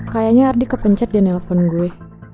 kayaknya ardi kepencet dia nelfon gue